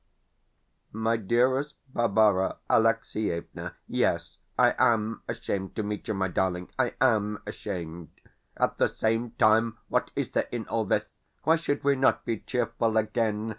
MY DEAREST BARBARA ALEXIEVNA, Yes, I AM ashamed to meet you, my darling I AM ashamed. At the same time, what is there in all this? Why should we not be cheerful again?